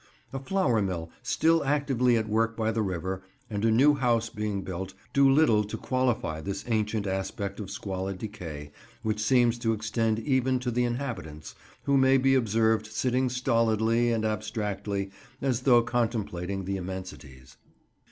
A flour mill, still actively at work by the river, and a new house being built, do little to qualify this ancient aspect of squalid decay, which seems to extend even to the inhabitants, who may be observed sitting stolidly and abstractedly, as though contemplating the immensities.